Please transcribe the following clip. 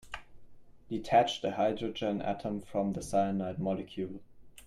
Detach the hydrogen atom from the cyanide molecule.